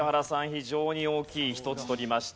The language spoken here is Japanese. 非常に大きい一つ取りました。